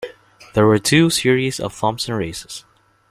There were two series of Thompson races.